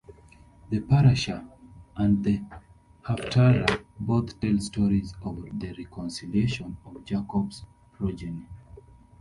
The parashah and the haftarah both tell stories of the reconciliation of Jacob's progeny.